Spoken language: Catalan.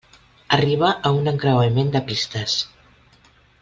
Arriba a un encreuament de pistes.